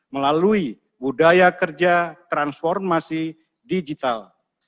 melalui budaya kerja transformasi digital